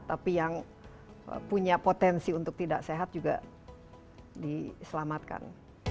tapi yang punya potensi untuk tidak sehat juga diselamatkan